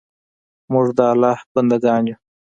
موږ د الله ج بندګان یو